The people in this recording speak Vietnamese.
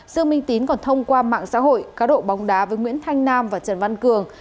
dương minh tín còn thông qua mạng xã hội cá độ bóng đá với nguyễn thanh nam và trần văn cường